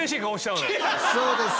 そうですよね。